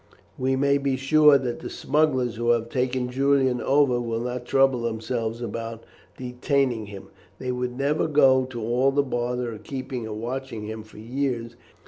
We may be sure that the smugglers who have taken Julian over will not trouble themselves about detaining him. They would never go to all the bother of keeping and watching him for years.